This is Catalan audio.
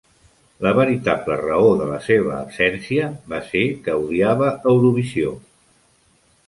La veritable raó de la seva absència va ser que odiava Eurovisió.